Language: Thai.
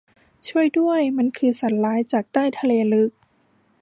ช่วยด้วย ! มันคือสัตว์ร้ายจากใต้ทะเลลึก